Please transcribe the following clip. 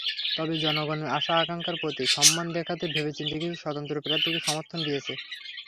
তবে জনগণের আশা-আকাঙ্ক্ষার প্রতি সম্মান দেখাতে ভেবেচিন্তে কিছু স্বতন্ত্র প্রার্থীকে সমর্থন দিয়েছে।